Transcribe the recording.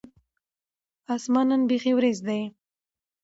اسمان نن بیخي ور یځ دی